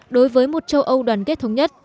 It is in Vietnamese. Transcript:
đối với một châu âu đoàn kết thống nhất